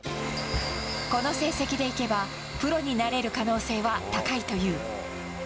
この成績でいけばプロになれる可能性は高いという。